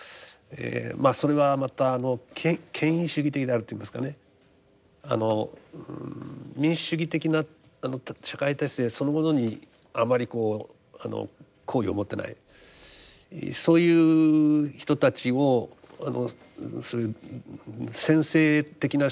まあそれはまた権威主義的であるといいますかねあの民主主義的な社会体制そのものにあまりこう好意を持ってないそういう人たちをあのそういう専制的な手法を持つ政治家ですね。